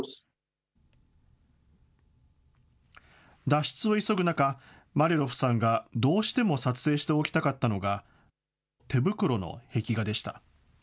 脱出を急ぐ中、マリャロフさんがどうしても撮影しておきたかったのが、てぶくろの壁画でした。